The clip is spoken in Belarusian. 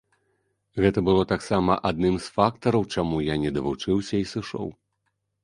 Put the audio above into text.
Гэта было таксама адным з фактараў, чаму я не давучыўся і сышоў.